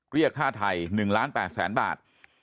เรียกค่าไทย๑ล้าน๘แสนบาท